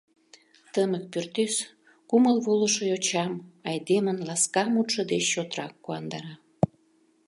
Тымык пӱртӱс кумыл волышо йочам айдемын ласка мутшо деч чотрак куандара.